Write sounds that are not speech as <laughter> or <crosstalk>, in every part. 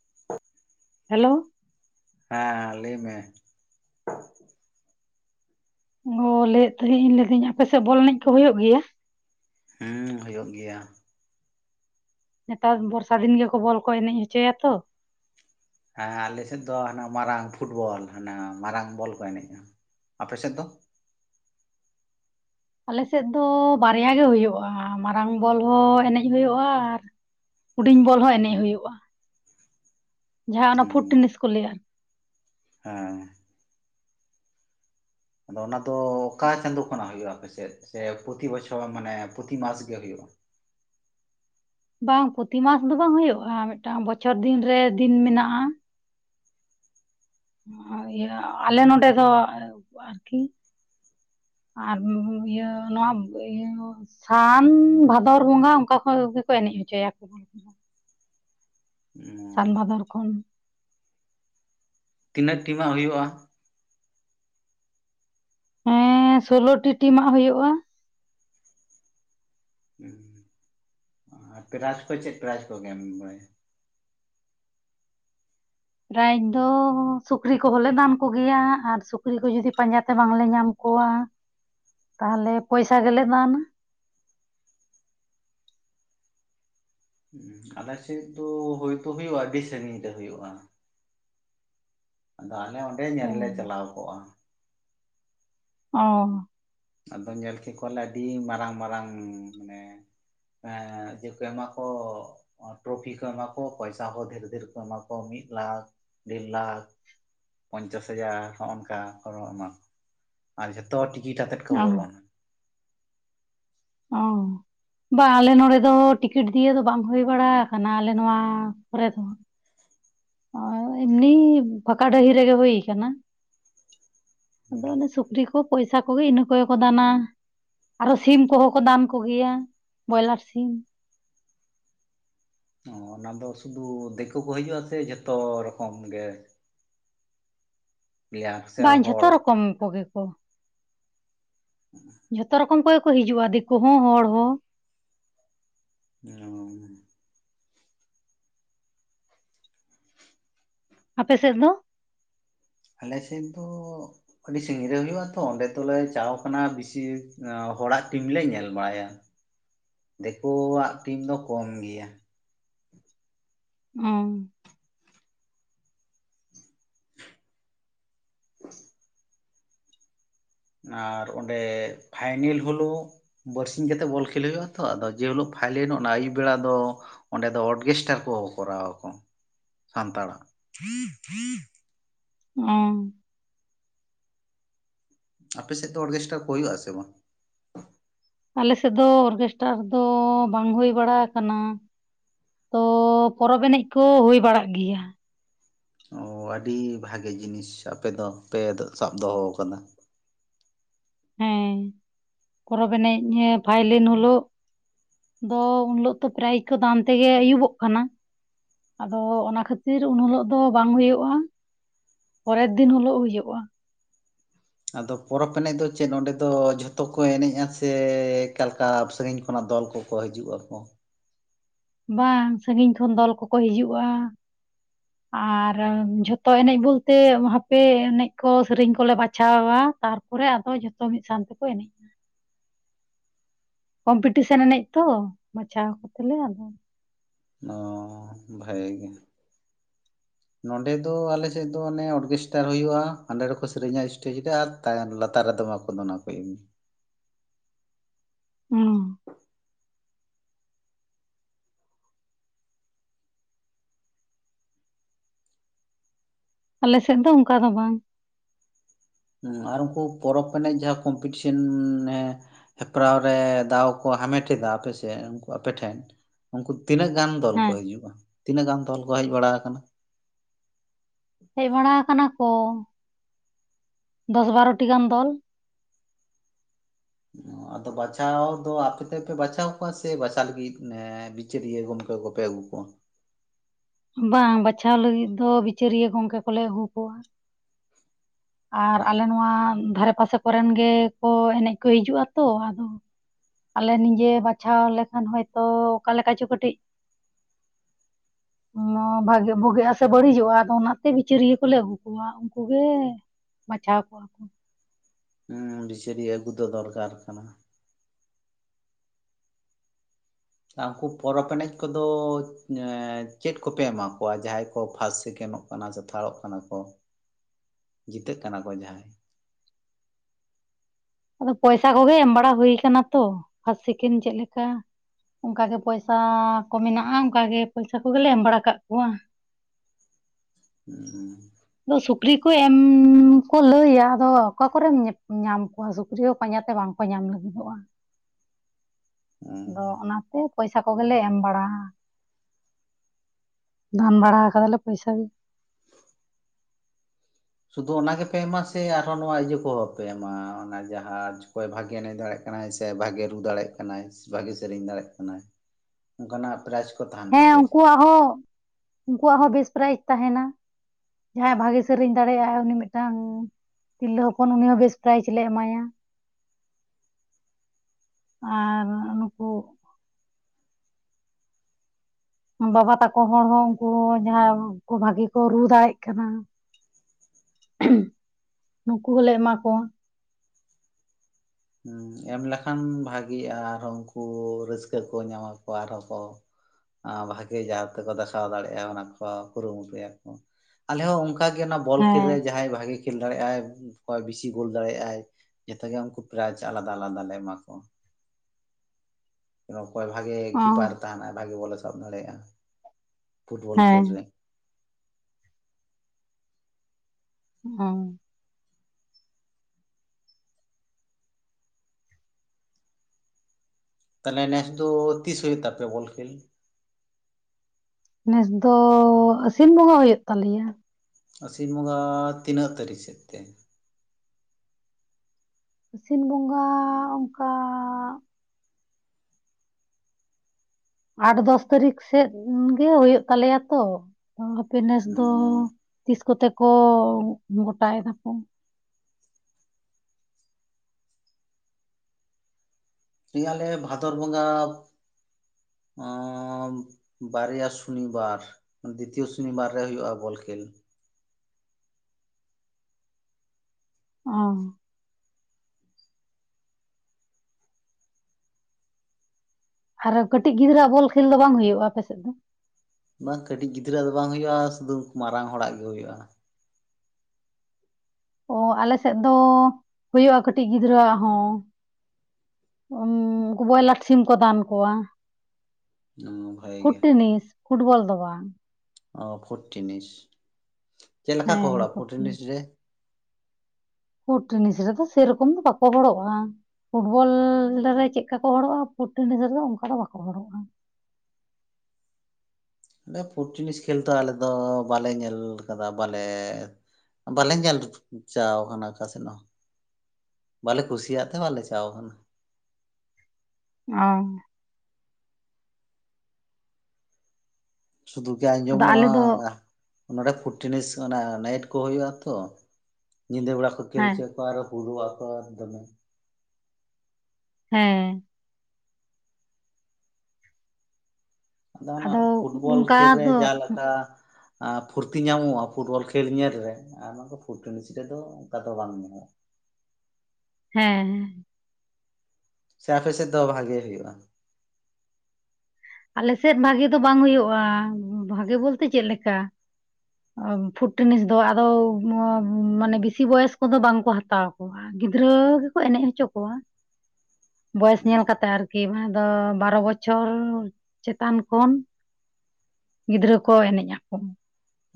<unintelligible> Hello. ᱦᱮᱸ ᱞᱟᱹᱭ ᱢᱮ ᱾ ᱚᱻ ᱞᱟᱹᱭᱮᱫ ᱛᱟᱦᱮᱸᱫ ᱤᱧ ᱞᱟᱹᱭᱮᱫᱟᱹᱧ ᱟᱯᱮ ᱥᱮᱫ ᱵᱚᱞ ᱮᱱᱮᱡ ᱠᱚ ᱦᱩᱭᱩᱜ ᱜᱮᱭᱟ? ᱦᱮᱸ ᱦᱩᱭᱩᱜ ᱜᱮᱭᱟ ᱾ ᱱᱮᱛᱟᱨ ᱵᱚᱨᱥᱟ ᱫᱤᱱ ᱜᱮᱠᱚ ᱵᱚᱞ ᱠᱚ ᱮᱱᱮᱡ ᱦᱚᱪᱚᱭ ᱟᱛᱚ ᱾ ᱦᱮᱸ ᱟᱞᱮ ᱥᱮᱫ ᱫᱚ ᱦᱟᱱᱟ ᱢᱟᱨᱟᱝ ᱯᱷᱩᱴᱵᱚᱞ ᱦᱟᱱᱟ ᱢᱟᱨᱟᱝ ᱵᱚᱞ ᱠᱚ ᱮᱱᱮᱡᱼᱟ, ᱟᱯᱮ ᱥᱮᱫ ᱫᱚ? ᱟᱞᱮ ᱥᱮᱫ ᱫᱚ ᱵᱟᱨᱭᱟ ᱜᱮ ᱦᱩᱭᱩᱜᱼᱟ ᱢᱟᱨᱟᱝ ᱵᱚᱞ ᱦᱚᱸ ᱮᱱᱮᱡ ᱦᱩᱭᱩᱜᱼᱟ, ᱟᱨ ᱦᱩᱰᱤᱧ ᱵᱚᱞ ᱦᱚᱸ ᱮᱱᱮᱡ ᱦᱩᱭᱩᱜᱼᱟ ᱾ ᱡᱟᱦᱟᱸ ᱚᱱᱟ ᱦᱩᱸ ᱯᱷᱩᱴᱤᱱᱤᱥ ᱠᱚ ᱞᱟᱹᱭᱟ ᱾ ᱦᱮᱸ ᱾ ᱟᱫᱚ ᱚᱱᱟ ᱫᱚ ᱚᱠᱟ ᱪᱟᱸᱫᱳ ᱠᱷᱚᱱᱟᱜ ᱦᱳᱭᱳᱜᱼᱟ ᱟᱯᱮ ᱥᱮᱫ? ᱥᱮ ᱯᱚᱛᱤ ᱵᱚᱪᱷᱚᱨ ᱢᱟᱱᱮ ᱯᱚᱛᱤ ᱢᱟᱥ ᱜᱮ ᱦᱩᱭᱩᱜᱼᱟ? ᱵᱟᱝ ᱯᱚᱛᱤ ᱢᱟᱥ ᱫᱚ ᱵᱟᱝ ᱦᱩᱭᱩᱜᱼᱟ ᱢᱤᱫᱴᱟᱝ ᱵᱚᱪᱷᱚᱨ ᱫᱤᱱ ᱨᱮ ᱫᱤᱱ ᱢᱮᱱᱟᱜᱼᱟ ᱾ ᱦᱚ ᱸ ᱤᱭᱟᱹ ᱟᱞᱮ ᱱᱚᱰᱮ ᱫᱚ ᱟᱨᱠᱤ ᱾ ᱟᱨ ᱤᱭᱟᱹ ᱱᱚᱣᱟ ᱤᱭᱟᱹ ᱥᱟᱱ ᱵᱷᱟᱫᱚᱨ ᱵᱚᱸᱜᱟ ᱚᱱᱠᱟ ᱠᱷᱚᱱ ᱜᱮᱠᱚ ᱮᱱᱮᱡ ᱦᱚᱪᱚᱭᱟᱠᱚ ᱾ ᱥᱟᱱ ᱵᱷᱟᱫᱚᱨ ᱠᱷᱚᱱ ᱾ ᱛᱤᱱᱟᱹᱜ ᱴᱤᱢᱟᱜ ᱦᱳᱭᱳᱜᱼᱟ? ᱦᱮᱸ ᱥᱳᱞᱳ ᱴᱤ ᱴᱤᱢᱟᱜ ᱦᱳᱭᱳᱜᱼᱟ᱾ ᱦᱩ, ᱚ ᱟᱨ ᱯᱨᱟᱭᱤᱡᱽ ᱠᱚ ᱪᱮᱫ ᱯᱨᱟᱭᱤᱡᱷ ᱠᱚᱜᱮ ᱮᱢ ᱵᱮᱸ? ᱯᱨᱟᱭᱤᱡᱽ ᱫᱚ ᱥᱩᱠᱨᱤ ᱠᱚᱦᱚᱸᱞᱮ ᱫᱟᱱ ᱠᱚ ᱜᱮᱭᱟ ᱟᱨ ᱥᱩᱠᱨᱤ ᱠᱚ ᱡᱩᱫᱤ ᱯᱟᱸᱡᱟ ᱛᱮ ᱵᱟᱝᱞᱮ ᱧᱟᱢ ᱠᱚᱣᱟ ᱛᱟᱦᱞᱮ ᱯᱚᱭᱥᱟ ᱜᱮᱞᱮ ᱫᱟᱱᱟ ᱾ ᱩᱸᱦ, ᱟᱞᱮ ᱥᱮᱫ ᱫᱚ ᱦᱳᱭᱛᱳ ᱦᱳᱭᱳᱜᱼᱟ ᱟᱹᱰᱤ ᱥᱟᱺᱜᱤᱧ ᱨᱮ ᱦᱳᱭᱳᱜᱼᱟ᱾ ᱟᱫᱚ ᱟᱞᱮ ᱚᱸᱰᱮ ᱚ ᱧᱮᱞ ᱞᱮ ᱪᱟᱞᱟᱣ ᱠᱚᱜᱼᱟ ᱾ ᱚ ᱾ ᱟᱫᱚ ᱧᱮᱞ ᱠᱮ ᱠᱚᱣᱟᱞᱮ ᱟᱰᱤ ᱢᱟᱨᱟᱝ ᱢᱟᱨᱟᱝ ᱢᱟᱱᱮ ᱮᱸᱜ ᱪᱮᱜ ᱠᱚ ᱮᱢᱟᱠᱚᱜ ᱴᱨᱚᱯᱷᱤ ᱠᱚ ᱮᱢᱟ ᱠᱚ ᱯᱚᱭᱥᱟ ᱦᱚᱸ ᱫᱷᱮᱹᱨ ᱫᱷᱮᱹᱨ ᱠᱚ ᱮᱢᱟ ᱠᱚ ᱢᱤᱫ ᱞᱟᱠᱷ ᱰᱮᱹᱲ ᱞᱟᱠᱷ ᱾ ᱯᱚᱧᱪᱟᱥ ᱦᱟᱡᱟᱨ ᱦᱚᱸᱝᱠᱟ ᱠᱚ ᱮᱢᱟᱠᱚ ᱟᱨ ᱡᱷᱚᱛᱚ ᱴᱤᱠᱤᱴ ᱟᱛᱮᱫ ᱠᱚ ᱚ ᱵᱚᱞᱚᱱᱟ᱾ ᱚ ᱵᱟᱝ ᱟᱞᱮ ᱱᱚᱲᱮ ᱫᱚ ᱴᱤᱠᱤᱴ ᱫᱤᱭᱮᱹ ᱫᱚ ᱵᱟᱝ ᱦᱳᱭ ᱵᱟᱲᱟ ᱟᱠᱟᱱᱟ ᱟᱞᱮ ᱱᱚᱣᱟ ᱠᱚᱨᱮ ᱫᱚ᱾ ᱚ ᱮᱢᱱᱤ ᱵᱷᱟᱠᱟ ᱰᱟᱹᱦᱤ ᱨᱮᱜᱮ ᱦᱳᱭ ᱠᱟᱱᱟ᱾ ᱟᱫᱚ ᱚᱱᱮ ᱥᱩᱠᱨᱤ ᱠᱚ ᱯᱚᱭᱥᱟ ᱠᱚᱜᱮ ᱤᱱᱟᱹ ᱠᱚᱜᱮ ᱠᱚ ᱫᱟᱱᱟ, ᱟᱨᱚᱦᱚ ᱥᱤᱢ ᱠᱚᱦᱚᱸ᱾ ᱠᱚ ᱫᱟᱢ ᱠᱚᱜᱮᱭᱟ ᱵᱚᱭᱞᱟᱨ ᱥᱤᱢ᱾ ᱚ, ᱚᱱᱟ ᱫᱚ ᱥᱩᱫᱩ ᱫᱮᱹᱠᱳ ᱠᱚ ᱦᱤᱡᱩᱜᱼᱟ ᱥᱮ ᱡᱷᱚᱛᱚ ᱨᱚᱠᱚᱢ ᱜᱮ? ᱯᱞᱮᱭᱟᱨ ᱥᱮ ᱵᱟᱝ, ᱦᱚᱲ ᱡᱷᱚᱛᱚ ᱨᱚᱠᱚᱢ ᱠᱚᱜᱮ ᱠᱚ ᱾ ᱚᱸᱷ-ᱟᱸ ᱾ ᱡᱷᱚᱛᱚ ᱨᱚᱠᱚᱢ ᱠᱚᱜᱮ ᱠᱚ ᱦᱤᱡᱩᱜᱼᱟ ᱫᱮᱹᱠᱳ ᱦᱚᱸ ᱦᱚᱲ ᱦᱚᱸ᱾ ᱢᱮᱧᱚᱸᱻ ᱾ ᱟᱯᱮ ᱥᱮᱫ ᱫᱚᱦ? ᱟᱞᱮ ᱥᱮᱫ ᱫᱚᱜ ᱟᱹᱰᱤ ᱥᱟᱺᱜᱤᱧ ᱨᱮ ᱦᱳᱭᱳᱜ-ᱟ ᱛᱚ ᱚᱸᱰᱮ ᱛᱚᱞᱮ ᱪᱟᱣ ᱠᱟᱱᱟ ᱵᱤᱥᱤ ᱮᱸ ᱦᱚᱲᱟᱜ ᱴᱤᱢ ᱞᱮ ᱧᱮᱞ ᱵᱟᱲᱟᱭᱟ᱾ ᱦᱮᱸᱦ, ᱫᱮᱹᱠᱳᱣᱟᱜ ᱴᱤᱢ ᱫᱚ ᱠᱚᱢ ᱜᱮᱭᱟ ᱾ ᱚᱸ ᱾ ᱟᱨ ᱚᱸᱰᱮ ᱯᱷᱟᱭᱱᱮᱹᱞ ᱦᱚᱞᱳᱜ ᱵᱟᱹᱨᱥᱤᱧ ᱠᱟᱛᱮᱜ ᱵᱚᱞ ᱠᱷᱮᱹᱞᱳ ᱦᱳᱭᱳᱜᱼᱟ ᱛᱚ ᱟᱫᱚ ᱡᱮ ᱦᱤᱞᱳᱜ ᱯᱷᱟᱭᱞᱮᱹᱱ ᱚᱱᱟ ᱟᱹᱭᱩᱵ ᱵᱮᱲᱟ ᱫᱚ ᱚᱸᱰᱮ ᱫᱚ ᱚᱰᱜᱮᱹᱥᱴᱟᱨ ᱠᱚ ᱠᱚᱨᱟᱣ ᱟᱠᱚ ᱥᱟᱱᱛᱟᱲᱟᱜ ᱾ ᱚᱝ ᱾ ᱟᱯᱮ ᱥᱮᱫ ᱫᱚ ᱚᱨᱜᱮᱥᱴᱟᱨ ᱠᱚ ᱦᱳᱭᱳᱜ ᱟᱥᱮ ᱵᱟᱝ? ᱟᱞᱮ ᱥᱮᱫ ᱫᱚ ᱚᱨᱠᱮᱥᱴᱟᱨ ᱫᱚ ᱵᱟᱝ ᱦᱳᱭ ᱵᱟᱲᱟ ᱟᱠᱟᱱᱟ, ᱛᱚ ᱯᱚᱨᱚᱵᱽ ᱮᱱᱮᱡ ᱠᱚ ᱦᱳᱭ ᱵᱟᱲᱟᱜ ᱜᱮᱭᱟ ᱾ ᱚ ᱟᱰᱤ ᱵᱷᱟᱜᱮᱹ ᱡᱤᱱᱤᱥ ᱟᱯᱮ ᱫᱚ-ᱯ ᱯᱮ ᱥᱟᱵ ᱫᱚᱦᱚ ᱠᱟᱫᱟ ᱾ ᱦᱮᱸ, ᱯᱚᱨᱚᱵᱽ ᱮᱱᱮᱡ ᱱᱤᱭᱟᱹ ᱯᱷᱟᱭᱞᱮᱱ ᱦᱤᱞᱳᱜ ᱫᱚ-ᱚ ᱩᱱᱞᱳᱷᱜ ᱫᱚ ᱯᱨᱟᱭᱤᱡᱽ ᱠᱚ ᱫᱟᱱ ᱛᱮᱜᱮ ᱟᱹᱭᱩᱵᱚᱜ ᱠᱟᱱᱟ ᱟᱫᱚ ᱚᱱᱟ ᱠᱷᱟᱹᱛᱤᱨ ᱩᱱᱦᱳᱞᱳᱜ ᱫᱚ ᱵᱟᱝ ᱦᱳᱭᱳᱜ-ᱟ ᱯᱚᱨᱮᱨ ᱫᱤᱱ ᱦᱤᱞᱳᱜ ᱦᱳᱭᱳᱜᱼᱟ ᱾ ᱟᱫᱚ ᱯᱚᱨᱚᱵᱽ ᱮᱱᱮᱡ ᱫᱚ ᱪᱮᱫ ᱚᱸᱰᱮ ᱫᱚ ᱡᱷᱚᱛᱚ ᱠᱚ ᱮᱱᱮᱡᱼᱟ ᱥᱮ ᱮᱠᱟᱞᱠᱟ ᱥᱟᱺᱜᱤᱧ ᱠᱷᱚᱱᱟᱜ ᱫᱚᱞ ᱠᱚ ᱠᱚ ᱦᱤᱡᱩᱜ ᱟᱠᱚ ᱵᱟᱝ, ᱥᱟᱺᱜᱤᱧ ᱠᱷᱚᱱ ᱫᱚᱞ ᱠᱚᱠᱚ ᱦᱤᱡᱩᱜᱼᱟ᱾ ᱟᱨ ᱡᱷᱚᱛᱚ ᱮᱱᱮᱡ ᱵᱚᱞᱛᱮᱹᱦᱟᱯᱮ ᱮᱱᱮᱡ ᱠᱚ ᱥᱮᱹᱨᱮᱹᱧ ᱠᱚᱞᱮ ᱵᱟᱪᱷᱟᱣ ᱾ ᱛᱟᱨᱯᱚᱨᱮ ᱟᱫᱚ ᱡᱷᱚᱛᱚ ᱢᱤᱫ ᱥᱟᱶ ᱛᱮᱠᱚ ᱮᱱᱮᱡ ᱮᱱᱟ ᱾ ᱠᱚᱢᱯᱤᱴᱤᱥᱮᱱ ᱮᱱᱮᱡ ᱛᱚ ᱵᱟᱪᱷᱟᱣ ᱠᱚ ᱛᱮᱞᱮ ᱟᱫᱚ ᱚ ᱵᱷᱟᱜᱮ ᱜᱮ᱾ ᱱᱚᱸᱰᱮ ᱫᱚ ᱟᱞᱮᱥᱮᱫ ᱫᱚ ᱚᱱᱮ ᱚᱨᱠᱮᱥᱴᱟᱨ ᱦᱩᱭᱩᱜᱼᱟ ᱦᱟᱸᱰᱮ ᱫᱚᱠᱚ ᱥᱮᱨᱮᱧᱟ ᱥᱴᱮᱡ ᱨᱮ ᱟᱨ ᱛᱟᱭᱚᱢ ᱞᱟᱛᱟᱨ ᱨᱮ ᱫᱚᱢᱟ ᱠᱚ ᱫᱚᱱᱟᱠᱚ ᱮᱢᱱᱤ ᱦᱩ ᱟᱞᱮᱥᱮᱫ ᱫᱚ ᱚᱱᱠᱟ ᱫᱚ ᱵᱟᱝ᱾ ᱟᱨ ᱩᱱᱠᱩ ᱯᱚᱨᱚᱵᱽ ᱮᱟᱱᱮᱡ ᱡᱟᱦᱟᱸ ᱠᱚᱢᱯᱤᱴᱤᱥᱮᱱ ᱦᱮ ᱦᱮᱯᱨᱟᱣ ᱨᱮ ᱫᱟᱣ ᱠᱚ ᱦᱟᱢᱮᱴ ᱮᱟᱫ ᱟᱯᱮᱥᱮᱫ ᱩᱱᱠᱩ ᱟᱯᱮᱴᱷᱮᱱ ᱩᱱᱠᱩᱫ ᱛᱤᱱᱟᱹᱜ ᱜᱟᱱ ᱫᱚᱞ ᱠᱚ ᱦᱮᱸ ᱦᱤᱡᱩᱜᱼᱟ ᱛᱤᱱᱟᱹᱜ ᱜᱟᱱ ᱫᱚᱞ ᱠᱚ ᱦᱮᱡ ᱵᱟᱲᱟ ᱟᱠᱟᱱᱟ? ᱦᱮᱡ ᱵᱟᱲᱟ ᱟᱠᱟᱱᱟ ᱠᱚ᱾ ᱫᱚᱥ ᱵᱟᱨᱚᱴᱤ ᱜᱟᱱ ᱫᱚᱞ᱾ ᱚ ᱟᱫᱚ ᱵᱟᱪᱷᱟᱣ ᱫᱚ ᱟᱯᱮ ᱛᱮᱯᱮ ᱵᱟᱪᱷᱟᱣ ᱠᱚᱣᱟ ᱥᱮ ᱵᱟᱪᱷᱟ ᱞᱟᱹᱜᱤᱫ ᱢᱤᱫ ᱪᱟᱹᱨᱤᱭᱟᱹ ᱜᱚᱝᱠᱮ ᱠᱚᱯᱮ ᱟᱹᱜᱩ ᱠᱚᱣᱟ᱾ ᱵᱟᱝ ᱵᱟᱪᱷᱟᱣ ᱞᱟᱹᱜᱤᱫ ᱫᱚ ᱵᱤᱪᱟᱹᱨᱤᱭᱟᱹ ᱜᱚᱝᱠᱮ ᱠᱚᱞᱮ ᱟᱹᱦᱩ ᱠᱚᱣᱟ᱾ ᱟᱨ ᱟᱞᱮ ᱱᱚᱣᱟ ᱫᱷᱟᱨᱮ ᱯᱟᱥᱮ ᱠᱚᱨᱮᱱ ᱜᱮᱠᱚ ᱮᱱᱮᱡ ᱠᱚ ᱦᱤᱡᱩᱜᱼᱟ ᱛᱚ ᱟᱫᱚ ᱟᱞᱮ ᱱᱤᱡᱮ ᱵᱟᱪᱷᱟᱣ ᱞᱮᱠᱷᱟᱱ ᱦᱚᱭᱛᱚ ᱚᱠᱟ ᱞᱮᱠᱟ ᱪᱚ ᱠᱟᱹᱴᱤᱡ ᱢᱚ ᱵᱷᱟᱜᱤ ᱵᱷᱩᱜᱤ-ᱟ ᱥᱮ ᱵᱟᱹᱲᱤᱡᱚᱜ-ᱟ ᱟᱫᱚ ᱚᱱᱟᱛᱮ ᱵᱤᱪᱟᱹᱨᱤᱭᱟᱹ ᱠᱚᱞᱮ ᱟᱹᱜᱩ ᱠᱚᱣᱟ ᱩᱱᱠᱩ ᱜᱮ ᱵᱟᱪᱷᱟᱣ ᱠᱚᱜᱣᱟ ᱠᱚ᱾ ᱦᱩ ᱵᱤᱪᱟᱹᱨᱤᱭᱟᱹ ᱟᱹᱜᱩ ᱫᱚ ᱫᱚᱨᱠᱟᱨ ᱠᱟᱱᱟ᱾ ᱟᱠᱩ ᱯᱚᱨᱚᱵᱽ ᱮᱱᱮᱡ ᱠᱚᱫᱚ ᱪᱮᱫ ᱠᱚᱯᱮ ᱮᱢᱟ ᱠᱚᱣᱟ ᱡᱟᱦᱟᱸᱭ ᱠᱚ ᱯᱷᱟᱥᱴ ᱥᱮᱠᱮᱱ ᱱᱚᱜ? ᱚᱱᱟ ᱡᱮ ᱡᱛᱷᱟᱲᱚᱜ ᱠᱟᱱᱟ ᱠᱚ᱾ ᱡᱤᱛᱟᱹᱜ ᱠᱟᱱᱟ ᱠᱚ ᱡᱟᱦᱟᱸᱭ᱾ ᱟᱫᱚ ᱯᱚᱭᱥᱟ ᱠᱚᱜᱮ ᱮᱢ ᱵᱟᱲᱟ ᱦᱩᱭ ᱠᱟᱱᱟ ᱛᱚ ᱯᱷᱟᱥᱴ ᱥᱮᱠᱮᱱᱰ ᱪᱮᱫ ᱞᱮᱠᱟ ᱚᱱᱠᱟᱜᱮ ᱯᱚᱭᱥᱟ ᱠᱚ ᱢᱮᱱᱟᱜ-ᱟ ᱚᱱᱠᱟᱜᱮ ᱯᱚᱭᱥᱟ ᱠᱚᱜᱮᱞᱮ ᱮᱢ ᱵᱟᱲᱟ ᱠᱟᱜ ᱠᱚᱣᱟ᱾ ᱩᱸ ᱟᱫᱚ ᱥᱩᱠᱨᱤ ᱠᱚ ᱮᱢ ᱠᱚ ᱞᱟᱹᱭᱟ ᱟᱫᱚ ᱚᱠᱟ ᱠᱚᱨᱮᱢ ᱧᱟᱢ ᱠᱚᱣᱟ ᱥᱩ ᱠᱨᱤ ᱦᱚᱸ ᱯᱟᱸᱡᱟ ᱛᱮ ᱵᱟᱝᱠᱚ ᱧᱟᱢ ᱞᱟᱹᱜᱤᱫᱚᱜ-ᱟ᱾ ᱟᱫᱚ ᱦᱩᱸ ᱚᱱᱟᱛᱮ ᱯᱚᱭᱥᱟ ᱠᱚᱜᱮᱞᱮ ᱮᱢ ᱵᱟᱲᱟ ᱫᱷᱟᱱ ᱵᱟᱲᱟ ᱠᱟᱫᱟᱞᱮ ᱯᱚᱭᱥᱟ ᱜᱮ᱾ ᱥᱩᱫᱷᱩ ᱚᱱᱟ ᱜᱮᱯᱮ ᱮᱢᱟ ᱥᱮ ᱟᱨᱦᱚᱸ ᱱᱚᱣᱟ ᱤᱭᱟᱹ ᱠᱚᱦᱚᱸ ᱯᱮ ᱮᱢᱟ ᱚᱱᱟ ᱡᱟᱦᱟᱸᱪ ᱠᱚᱭ ᱵᱷᱟᱜᱮ ᱮᱱᱮᱡ ᱫᱟᱲᱮᱜ ᱠᱟᱱᱟᱭ ᱥᱮ ᱵᱷᱟᱜᱮ ᱨᱩ ᱫᱟᱲᱮᱭᱟᱜ ᱠᱟᱱᱟᱭ ᱥᱮ ᱵᱷᱟᱜᱮ ᱥᱮᱨᱮᱧ ᱫᱟᱲᱮᱭᱟᱜ ᱠᱟᱱᱟᱭ ᱚᱱᱠᱟᱱᱟᱜ ᱯᱨᱟᱭᱤᱡᱽ ᱠᱚ ᱛᱟᱦᱮᱱ ᱦᱮᱸ ᱛᱟᱯᱮᱭᱟ ᱩᱱᱠᱩᱣᱟᱜ ᱦᱚᱸ ᱩᱱᱠᱩᱣᱟᱜ ᱦᱚᱸ ᱵᱮᱥ ᱯᱨᱟᱭᱤᱡᱽ ᱛᱟᱸᱦᱮᱱᱟ᱾ ᱡᱟᱦᱟᱸᱭ ᱵᱷᱟᱜᱮ ᱥᱮᱨᱮᱧ ᱫᱟᱲᱮᱭᱟᱜᱼᱟᱭ ᱩᱱᱤ ᱢᱤᱫᱴᱟᱝ ᱛᱤᱨᱞᱟᱹ ᱦᱚᱯᱚᱱ ᱩᱱᱤ ᱦᱚᱸ ᱵᱮᱥ ᱯᱨᱟᱭᱤᱡᱽ ᱞᱮ ᱮᱢᱟᱭᱟ᱾ ᱟᱨ ᱱᱩᱠᱩ ᱵᱟᱵᱟ ᱛᱟᱠᱚ ᱦᱚᱲ ᱦᱚᱸ ᱩᱱᱠᱩ ᱡᱟᱦᱟᱸᱭ ᱠᱚ ᱵᱷᱟᱜᱤ ᱠᱚ ᱨᱩ ᱫᱟᱲᱮᱜ ᱠᱟᱱᱟ ᱱᱩᱠᱩ ᱦᱚᱞᱮ ᱮᱢᱟ ᱠᱚᱣᱟ ᱮᱢ ᱞᱮᱠᱷᱟᱱ ᱵᱷᱟᱜᱤᱜᱼᱟ, ᱟᱨᱦᱚᱸ ᱩᱱᱠᱩ ᱨᱟᱹᱥᱠᱟᱹ ᱠᱚ ᱧᱟᱢᱟ ᱟᱨᱦᱚᱸ ᱠᱚ ᱵᱷᱟᱜᱤ ᱡᱟᱦᱟᱣ ᱛᱮᱠᱚ ᱫᱟᱥᱟᱣ ᱫᱟᱲᱮᱭᱟᱜ-ᱟ ᱚᱱᱟ ᱠᱚ ᱠᱩᱨᱩᱢᱩᱴᱩ ᱭᱟᱠᱚ ᱟᱞᱮ ᱦᱚᱸ ᱚᱝᱠ ᱚᱱᱠᱟᱜ ᱜᱮ ᱚᱱᱟ ᱵᱚᱞ ᱠᱷᱮᱞ ᱦᱮᱸ ᱨᱮ ᱡᱟᱦᱟᱸᱭ ᱵᱷᱟᱜᱮ ᱠᱷᱮᱞ ᱫᱟᱲᱮᱭᱟᱜ ᱚᱠᱚᱭ ᱵᱮᱥᱤ ᱜᱳᱞ ᱫᱟᱲᱮᱭᱟᱜ ᱟᱭ ᱡᱚᱛᱚ ᱜᱮ ᱩᱱᱠᱩ ᱯᱨᱟᱭᱤᱡᱽ ᱟᱞᱟᱫᱟ ᱟᱞᱟᱫᱟ ᱞᱮ ᱮᱢᱟ ᱠᱚᱣᱟ ᱚᱠᱚᱭ ᱵᱷᱟᱜᱮ ᱚ ᱠᱤᱯᱟᱨ ᱛᱟᱦᱮᱱᱟᱭ ᱵᱷᱟᱜᱮ ᱵᱚᱞᱮ ᱥᱟᱵ ᱫᱟᱲᱮᱭᱟᱜᱼᱟ ᱯᱷᱩᱴᱵᱚᱞ ᱦᱮᱸ ᱠᱷᱮᱞ ᱨᱮ᱾ ᱦᱚᱝ ᱛᱟᱦᱚᱸᱞᱮ ᱱᱮᱥ ᱫᱚ ᱛᱤᱥ ᱦᱩᱭᱩᱜ ᱛᱟᱯᱮᱭᱟ ᱵᱚᱞ ᱠᱷᱮᱞ? ᱱᱮᱥ ᱫᱚᱻ ᱟᱹᱥᱤᱱ ᱵᱚᱸᱜᱟ ᱦᱩᱭᱩᱜ ᱛᱟᱞᱮᱭᱟ᱾ ᱟᱹᱥᱤᱱ ᱵᱚᱸᱜᱟ ᱛᱤᱱᱟᱹᱜ ᱛᱟᱹᱨᱤᱠᱷ ᱥᱮᱫ ᱛᱮ? ᱟᱹᱥᱤᱱ ᱵᱚᱸᱜᱟ ᱚᱱᱠᱟᱻ᱾ ᱟᱴ ᱫᱚᱥ ᱛᱟᱹᱨᱤᱠᱷ ᱥᱮᱫ ᱜᱮ ᱦᱩᱭᱩᱜ ᱛᱟᱞᱮᱭᱟ ᱛᱚ, ᱦᱟᱯᱮ ᱱᱮᱥ ᱫᱚᱻ ᱚ ᱾ ᱛᱤᱥ ᱠᱚᱛᱮ ᱠᱚᱻ ᱜᱚᱴᱟᱭ ᱫᱟ ᱠᱚ᱾ ᱞᱟᱹᱭ ᱟᱞᱮ ᱵᱷᱟᱫᱚᱨ ᱵᱚᱸᱜᱟ ᱚᱻ ᱵᱟᱨᱭᱟ ᱥᱚᱱᱤᱵᱟᱨ᱾ ᱫᱤᱛᱤᱭᱚ ᱥᱚᱱᱤᱵᱟᱨ ᱨᱮ ᱦᱩᱭᱩᱜ-ᱟ ᱵᱚᱞ ᱠᱷᱮᱞ᱾ ᱩ ᱟᱨᱚ ᱠᱟᱹᱴᱤᱡ ᱜᱤᱫᱽᱨᱟᱹᱣᱟᱜ ᱵᱚᱞ ᱠᱷᱮᱞ ᱫᱚ ᱵᱟᱝ ᱦᱩᱭᱩᱜ-ᱟ ᱟᱯᱮ ᱥᱮᱫ ᱫᱚ? ᱵᱟᱝ ᱠᱟᱹᱴᱤᱡ ᱜᱤᱫᱽᱨᱟᱹᱣᱟᱜ ᱫᱚ ᱵᱟᱝ ᱦᱩᱭᱩᱜ-ᱟ ᱥᱩᱫᱩ ᱢᱟᱨᱟᱝ ᱦᱚᱲᱟᱜ ᱜᱮ ᱦᱩᱭᱩᱜ-ᱟ᱾ ᱚ ᱟᱞᱮ ᱥᱮᱫ, ᱦᱩᱭᱩᱜ-ᱟ ᱠᱟᱹᱴᱤᱡ ᱜᱤᱫᱽᱨᱟᱹᱣᱟᱜ ᱦᱚᱸ᱾ ᱚᱢᱻ ᱩᱱᱠᱩ ᱵᱚᱭᱞᱟᱴ ᱥᱤᱢ ᱠᱚ ᱫᱟᱱ ᱠᱚᱣᱟ᱾ ᱚ ᱵᱷᱟᱜᱮ ᱯᱷᱩᱴ ᱜᱮ ᱴᱮᱱᱤᱥ, ᱯᱷᱩᱴ ᱵᱚᱞ ᱫᱚ ᱵᱟᱝ᱾ ᱚ ᱯᱷᱩᱴ ᱴᱤᱱᱤᱥ ᱪᱮᱫ ᱞᱮᱠᱟ ᱠᱚ ᱦᱮᱸ ᱦᱚᱲᱚᱜ-ᱟ ᱯᱷᱩᱴ ᱯᱷᱴ ᱴᱤᱱᱤᱥ ᱴᱮᱱᱤᱥ ᱨᱮ? ᱯᱷᱩᱴ ᱴᱤᱱᱤᱥ ᱨᱮᱫᱚ ᱥᱮᱨᱚᱠᱚᱢ ᱫᱚ ᱵᱟᱠᱚ ᱦᱚᱲᱚᱜ-ᱟ᱾ ᱯᱷᱩᱴᱵᱚᱞ ᱨᱮ ᱪᱮᱫ ᱠᱚᱟ ᱦᱚᱲᱚᱜ-ᱟ, ᱯᱷᱩᱴ ᱴᱮᱱᱤᱥ ᱨᱮᱫᱚ ᱚᱱᱠᱟ ᱫᱚ ᱵᱟᱠᱚ ᱦᱚᱲᱚᱜ-ᱟ᱾ ᱚᱸᱵᱮ ᱯᱷᱩᱴ ᱴᱮᱱᱤᱥ ᱠᱷᱮᱞ ᱛᱚ ᱟᱞᱮ ᱫᱚ ᱵᱟᱞᱮ ᱧᱮᱞ ᱠᱟᱫᱟ ᱵᱟᱞᱮᱻ ᱾ ᱵᱟᱞᱮ ᱧᱮᱞ ᱪᱟᱣ ᱠᱟᱱᱟ ᱚᱠᱟᱥᱮᱫ ᱦᱚᱸ᱾ ᱵᱟᱞᱮ ᱠᱩᱥᱤᱭᱟᱜ ᱛᱮ ᱵᱟᱞᱮ ᱪᱟᱣ ᱠᱟᱱᱟ᱾ ᱩᱻ᱾ ᱥᱩᱫᱷᱩ ᱜᱮ ᱟᱫᱚ ᱟᱞᱮ ᱟᱸᱡᱚᱢᱚᱜ-ᱟᱻ᱾ ᱫᱚ ᱱᱚᱸᱰᱮ ᱯᱷᱩᱴ ᱴᱮᱱᱤᱥ ᱚᱱᱟ ᱱᱟᱭᱤᱴ ᱠᱚ ᱦᱳᱭᱳᱜ-ᱟ ᱛᱚ, ᱧᱤᱫᱟᱹ ᱵᱮᱲᱟ ᱠᱚ ᱠᱷᱮᱞ ᱦᱮᱸ ᱦᱚᱪᱚ᱾ <unintelligible> ᱦᱮᱸ᱾ ᱟᱫᱚ ᱱᱟᱜ ᱯᱷᱩᱴ ᱵᱚᱞ ᱚᱱᱠᱟ ᱠᱷᱮᱞ ᱨᱮ ᱫᱚ ᱡᱟᱦᱟᱸ ᱞᱮᱠᱟ ᱟ ᱯᱷᱩᱨᱛᱤ ᱧᱟᱢᱚᱜ-ᱟ ᱯᱷᱩᱴᱵᱚᱞ ᱠᱷᱮᱞ ᱧᱮᱞ ᱨᱮ, ᱟᱭᱢᱟ ᱠᱚ ᱯᱷᱩᱴ ᱴᱮᱱᱤᱥ ᱨᱮᱫᱚ ᱚᱱᱠᱟ ᱫᱚ ᱵᱟᱝ ᱧᱟᱢᱚᱜ-ᱟ᱾ ᱦᱮᱸ ᱦᱮᱸ᱾ ᱥᱮ ᱟᱯᱮ ᱥᱮᱫ ᱫᱚ ᱵᱷᱟᱜᱮ ᱦᱩᱭᱩᱜ-ᱟ? ᱟᱞᱮᱥᱮᱫ ᱵᱷᱟᱜᱮ ᱫᱚ ᱵᱟᱝ ᱦᱩᱭᱩᱜ-ᱟ, ᱵᱷᱟᱜᱤ ᱵᱚᱞᱛᱮ ᱪᱮᱫ ᱞᱮᱠᱟ ᱯᱷᱩᱴ ᱴᱮᱱᱤᱥ ᱫᱚ ᱟᱫᱚᱻ ᱢᱟᱱᱮ ᱵᱮᱥᱤ ᱵᱚᱭᱮᱥ ᱠᱚᱫᱚ ᱵᱟᱝᱠᱚ ᱦᱟᱛᱟᱣ ᱠᱚᱣᱟ᱾ ᱜᱤᱫᱽᱨᱟᱹ ᱜᱮ ᱠᱚ ᱮᱱᱮᱡ ᱦᱚᱪᱚ ᱠᱚᱣᱟ᱾ ᱵᱚᱭᱮᱥ ᱦᱮᱸ ᱧᱮᱞ ᱠᱟᱛᱮᱫ ᱟᱹᱨᱠᱤ ᱚᱱᱟ ᱫᱚ ᱵᱟᱨᱚ ᱵᱚᱪᱷᱚᱨ᱾ ᱪᱮᱛᱟᱱ ᱠᱷᱚᱱ, ᱜᱤᱫᱽᱨᱟᱹ ᱠᱚ ᱮᱱᱮᱡ ᱟᱠᱚ᱾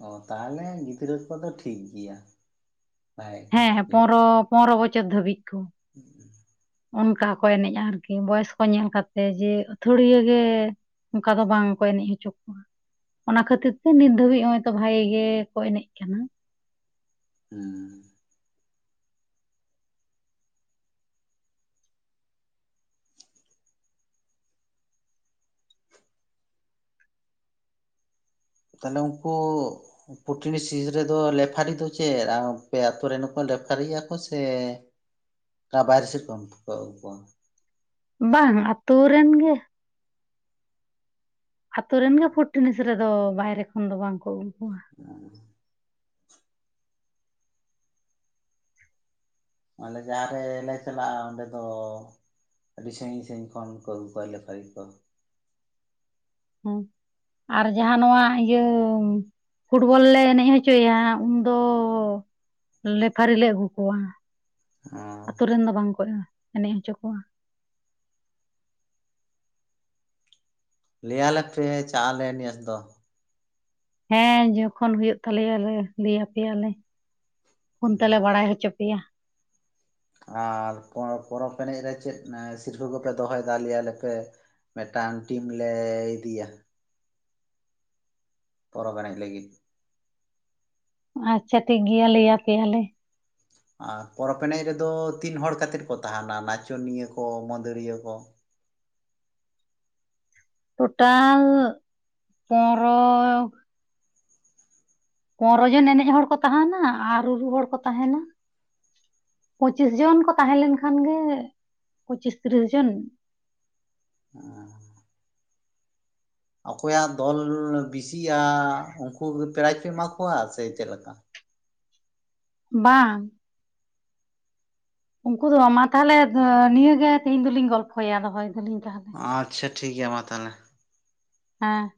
ᱚ ᱛᱟᱦᱚᱸᱞᱮ ᱜᱤᱫᱽᱨᱟᱹ ᱠᱚᱫᱚ ᱴᱷᱤᱠ ᱜᱮᱭᱟ᱾ ᱵᱷᱟᱜᱮ ᱜᱮ ᱦᱮᱸ ᱦᱮᱸ ᱦᱩᱭᱩᱜ ᱯᱚᱱᱨᱚ ᱯᱚᱱᱨᱚ ᱵᱚᱪᱷᱚᱨ ᱫᱷᱟᱹᱵᱤᱡ ᱠᱚ᱾ <inaudible> ᱚᱱᱠᱟ ᱦᱚᱸ ᱠᱚ ᱮᱱᱮᱡ-ᱟ ᱟᱹᱨᱠᱤ ᱵᱚᱭᱚᱥ ᱠᱚ ᱧᱮᱞ ᱠᱟᱛᱮ ᱡᱮ ᱟᱹᱛᱷᱲᱤᱭᱟᱹ ᱜᱮ ᱚᱱᱠᱟ ᱫᱚ ᱵᱟᱝ ᱠᱚ ᱮᱱᱮᱡ ᱦᱚᱪᱚ ᱠᱚᱣᱟ᱾ ᱚᱱᱟ ᱠᱷᱟᱹᱛᱤᱨ ᱛᱮ ᱱᱤᱛ ᱫᱷᱟᱹᱵᱤᱡᱽ ᱱᱚᱜ-ᱚᱭ ᱛᱚ ᱵᱷᱟᱜᱮ ᱜᱮᱠᱚ ᱮᱱᱮᱡ ᱠᱟᱱᱟ᱾ ᱦᱮᱸ᱾ ᱛᱟᱦᱚᱸᱞᱮ ᱩᱱᱠᱩ᱾ ᱯᱷᱩᱴ ᱴᱤᱱᱤᱥ ᱨᱮᱫᱚ ᱞᱮᱯᱷᱟᱨᱤ ᱫᱚ ᱪᱮᱫ ᱟᱯᱮ ᱟᱛᱳ ᱨᱮᱱ ᱦᱚᱸ ᱠᱚ ᱞᱮᱯᱷᱟᱨᱤᱭᱟ ᱠᱚ ᱥᱮ ᱚᱠᱟ ᱵᱟᱭᱨᱮ ᱥᱮᱫ ᱠᱷᱟᱱ ᱠᱚ ᱟᱹᱜᱩ ᱠᱚᱣᱟ᱾ ᱵᱟᱝ, ᱟᱛᱳ ᱨᱮᱱ ᱜᱮ, ᱟᱛᱳ ᱨᱮᱱ ᱜᱮ ᱯᱷᱩᱴᱴᱤᱱᱤᱥ ᱨᱮᱫᱚ, ᱵᱟᱭᱨᱮ ᱠᱷᱚᱱ ᱫᱚ ᱵᱟᱝ ᱠᱚ ᱟᱹᱜᱩ ᱠᱚᱣᱟ᱾ ᱟᱻ ᱟᱞᱮ ᱡᱟᱦᱟᱸ ᱨᱮᱞᱮ ᱪᱟᱞᱟᱜᱼᱟ ᱚᱸᱰᱮ ᱫᱚ ᱟᱹᱰᱤ ᱥᱟᱺᱜᱤᱧ ᱥᱟᱺᱤᱧ ᱠᱷᱚᱱ ᱠᱚ ᱟᱹᱜᱩ ᱠᱚᱣᱟ ᱞᱮᱠᱷᱞᱤ ᱠᱚ᱾ ᱦᱮᱸ, ᱟᱨ ᱡᱟᱦᱟᱸ ᱱᱚᱣᱟ ᱤᱭᱟᱹ ᱯᱷᱩᱴᱵᱚᱞ ᱞᱮ ᱮᱱᱮᱡ ᱦᱚᱪᱚᱭᱟ, ᱩᱱᱫᱚ ᱞᱮᱯᱷᱟᱨᱤ ᱞᱮ ᱟᱹᱜᱩ ᱠᱚᱣᱟ, ᱟᱹᱛᱩ ᱨᱮᱱ ᱫᱚ ᱵᱟᱝᱠᱚ ᱮᱱᱮᱡ ᱦᱚᱪᱚ ᱠᱚᱣᱟ᱾ ᱞᱟᱹᱭ ᱟᱞᱮ ᱯᱮ ᱪᱟᱜ ᱟᱞᱮ ᱱᱮᱥ ᱫᱚ᱾ ᱦᱮᱸ ᱡᱚᱠᱷᱚᱱ ᱦᱳᱭᱳᱜ ᱛᱟᱞᱮᱭᱟ ᱞᱮ ᱞᱟᱹᱭ ᱟᱯᱮᱭᱟᱞᱮ, ᱯᱷᱳᱱ ᱛᱮᱞᱮ ᱵᱟᱲᱟᱭ ᱦᱚᱪᱚ ᱯ -ᱯᱮᱭᱟ, ᱟᱨ ᱯᱨᱚ ᱯᱚᱨᱚᱵᱽ ᱮᱱᱮᱡ ᱨᱮ ᱪᱮᱫ ᱥᱤᱨᱯᱟᱹ ᱠᱚᱯᱮ ᱫᱚᱦᱚᱭᱮᱫᱟ ᱞᱟᱹᱭ ᱟᱞᱮᱯᱮ? ᱢᱤᱫᱴᱟᱝ ᱴᱤᱢ ᱞᱮ ᱤᱫᱤᱭᱟ, ᱯᱚᱨᱚᱵᱽ ᱮᱱᱮᱡ ᱞᱟᱹᱜᱤᱫ᱾ ᱟᱪᱪᱷᱟ ᱴᱷᱤᱠ ᱜᱮᱭᱟ, ᱞᱟᱹᱭ ᱟᱯᱮ ᱭᱟᱞᱮ᱾ ᱟᱨ ᱯᱚᱨᱚᱵᱽ ᱨᱮᱫᱚ ᱛᱤᱱ ᱦᱚᱲ ᱠᱟᱛᱮᱫ ᱠᱚ ᱛᱟᱦᱮᱱᱟ ᱱᱟᱪᱚᱱᱤᱭᱟᱹ ᱠᱚ, ᱢᱟᱹᱫᱟᱹᱲᱤᱭᱟᱹ ᱠᱚ, ᱴᱳᱴᱟᱞ ᱯᱚᱱᱮᱨᱚ ᱯᱚᱱᱨᱚ ᱡᱚᱱ ᱮᱱᱮᱡ ᱦᱚᱲ ᱠᱚ ᱛᱟᱦᱟᱱᱟ ᱟᱨ ᱨᱩᱨᱩ ᱦᱚᱲ ᱠᱚ ᱛᱟᱦᱮᱱᱟ᱾ ᱯᱚᱸᱪᱤᱥ ᱡᱚᱱ ᱠᱚ ᱛᱟᱦᱮᱸ ᱞᱮᱱ ᱠᱷᱟᱱ ᱜᱮ, ᱯᱚᱪᱤᱥ ᱛᱤᱨᱤᱥ ᱡᱚᱱ᱾ ᱟᱻ ᱚᱠᱚᱭᱟᱜ ᱫᱚᱞ ᱵᱮᱥᱤᱜᱼᱟ, ᱩᱱᱠᱩ ᱜᱮ ᱯᱨᱟᱭᱤᱡᱽ ᱯᱮ ᱮᱢᱟ ᱠᱚᱣᱟ ᱥᱮ ᱪᱮᱫᱞᱮᱠᱟ? ᱵᱟᱝ ᱩᱱᱠᱩ ᱫᱚ ᱵᱟ ᱢᱟ ᱛᱟᱦᱚᱞᱮ ᱱᱤᱭᱟᱹᱜᱮ ᱛᱮᱦᱤᱧ ᱫᱚᱞᱤᱧ ᱜᱚᱞᱯᱷᱚᱭᱟ, ᱫᱚᱦᱚᱭ ᱫᱟᱞᱤᱧ ᱛᱟᱦᱮᱸ᱾ ᱟᱪᱪᱷᱟ ᱴᱷᱤᱠ ᱜᱮᱭᱟ, ᱢᱟ ᱛᱟᱦᱚᱞᱮ᱾ ᱦᱮᱸ